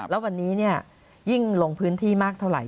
แล้ววันนี้ยิ่งลงพื้นที่มากเท่าไห